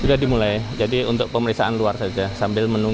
sudah dimulai jadi untuk pemeriksaan luar saja